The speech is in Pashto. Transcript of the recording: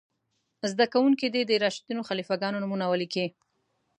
زده کوونکي دې د راشدینو خلیفه ګانو نومونه ولیکئ.